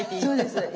そうです。